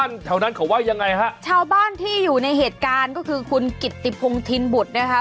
แถวนั้นเขาว่ายังไงฮะชาวบ้านที่อยู่ในเหตุการณ์ก็คือคุณกิตติพงธินบุตรนะคะ